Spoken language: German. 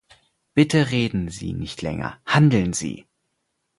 Bitte reden Sie nicht länger, handeln Sie!